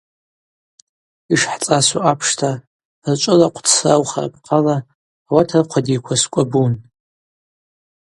Йшхӏцӏасу апшта, рчӏвылахъв дсраухра апхъала ауат рхъвадиква скӏвабун.